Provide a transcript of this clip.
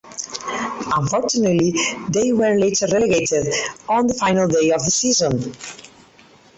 Unfortunately they were later relegated on the final day of the season.